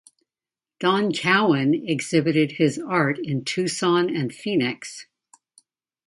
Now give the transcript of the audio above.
Don Cowen exhibited his art in Tucson and Phoenix.